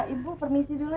ibu permisi dulu ya